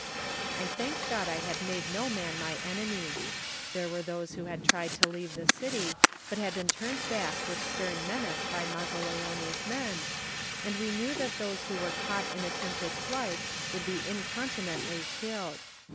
I thanked God I had made no man my enemy. There were those who had tried to leave the city, but had been turned back with stem menace by Mazzaleone's men, and we knew that those who were caught in attempted flight would be incontinently killed.